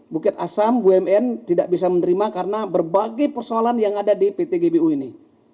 bukit asam bumn tidak bisa menerima karena berbagai persoalan yang ada di pt gbu ini